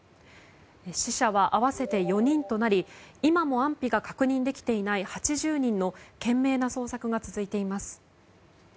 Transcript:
死者は合わせて４人となり今も安否が確認できていない８０人の懸命な捜索が続いています。